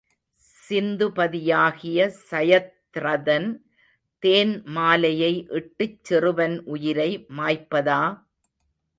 சிந்துபதியாகிய சயத்ரதன் தேன் மாலையை இட்டுச் சிறுவன் உயிரை மாய்ப்பதா!